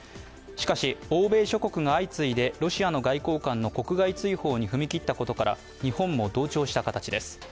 しかし、欧米諸国が相次いでロシアの外交官の国外追放に踏み切ったことから日本も同調した形です。